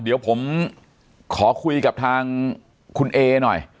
เดี๋ยวผมขอคุยกับทางคุณเอหน่อย